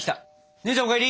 姉ちゃんお帰り！